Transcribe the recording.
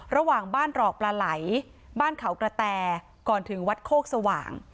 ระหว่างบ้านตรอกปลาไหลบ้านเขากระแตก่อนถึงวัดโคกสว่าง